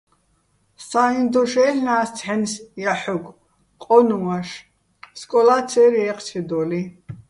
სა́იჼ დოშ აჲლ'ნა́ს ცჰ̦აჲნ ჲაჰ̦ოგო̆ ყო́ნუჼ ვაშ, სკოლა́ ცე́რ ჲე́ჴჩედო́ლიჼ.